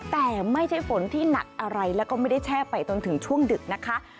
แต่ไม่ใช่ฝนที่หนักอะไรแล้วก็ไม่ได้แช่ไปจนถึงช่วงดึกนะคะ